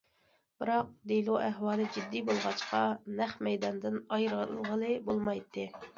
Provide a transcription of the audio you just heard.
بىراق، دېلو ئەھۋالى جىددىي بولغاچقا، نەق مەيداندىن ئايرىلغىلى بولمايتتى.